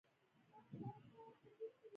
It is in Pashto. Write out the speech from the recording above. تنور د پخلي د تجربو خزانه ده